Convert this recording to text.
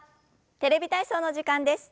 「テレビ体操」の時間です。